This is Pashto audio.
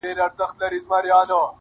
• له دې مقامه دا دوه مخي په شړلو ارزي,